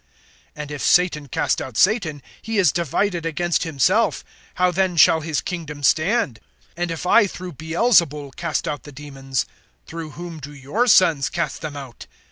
(26)And if Satan cast out Satan, he is divided against himself; how then shall his kingdom stand? (27)And if I through Beelzebul cast out the demons, through whom do your sons cast them out?